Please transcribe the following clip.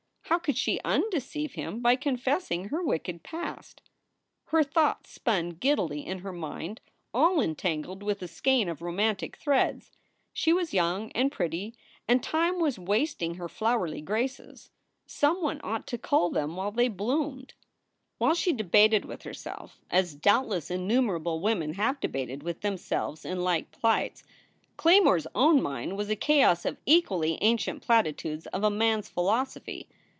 How could she undeceive him by confessing her wicked past ? Her thoughts spun giddily in her mind, all entangled with a skein of romantic threads. She was young and pretty and time was wasting her flowerly graces. Some one ought to cull them while they bloomed. 19 282 SOULS FOR SALE While she debated with herself, as doubtless innumerable women have debated with themselves in like plights, Clay more s own mind was a chaos of equally ancient platitudes of a man s philosophy.